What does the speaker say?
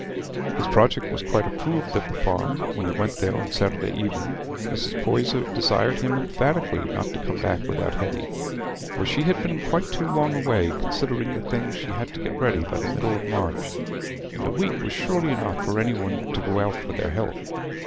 His project was quite approved at the Farm when he went there on Saturday evening. Mrs. Poyser desired him emphatically not to come back without Hetty, for she had been quite too long away, considering the things she had to get ready by the middle of March, and a week was surely enough for any one to go out for their health.